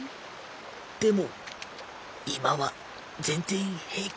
でも今は全然平気。